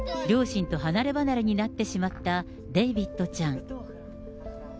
両親と離れ離れになってしまったデイビットちゃん。